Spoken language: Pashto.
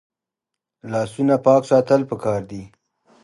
لاسونه پاک ساتل پکار دي